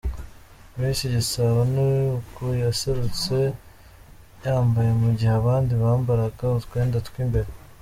Miss Igisabo ni uku yaserutse yambaye mu gihe abandi bambaraga utwenda tw’imbere